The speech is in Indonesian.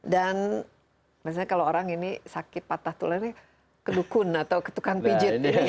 dan maksudnya kalau orang ini sakit patah tulangnya kedukun atau ketukang pijit